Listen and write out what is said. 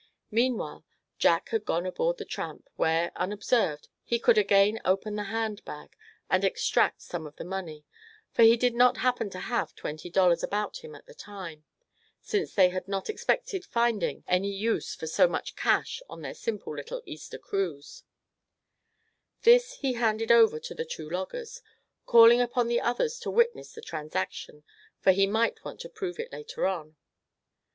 Meanwhile Jack had gone aboard the Tramp, where, unobserved, he could again open the hand bag, and extract some of the money; for he did not happen to have twenty dollars about him at the time, since they had not expected finding any use for so much cash on their simple little Easter cruise. This he handed over to the two loggers, calling upon the others to witness the transaction, for he might want to prove it later on.